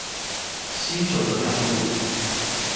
星球的亮度